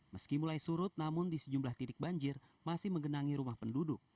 meski mulai surut namun di sejumlah titik banjir masih menggenangi rumah penduduk